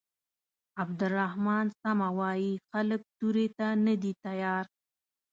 عبدالرحمن سمه وايي خلک تورې ته نه دي تيار.